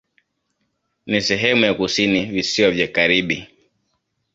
Ni sehemu ya kusini Visiwa vya Karibi.